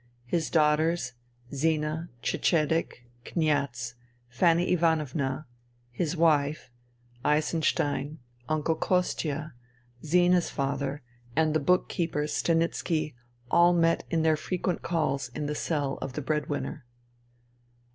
His daughters, Zina, Cecedek, Kniaz, Fanny Ivanovna, his wife, Eisenstein, Uncle Kostia, Zina's father, and the book keeper Stanitski, all met in their frequent calls in the cell of the bread winner.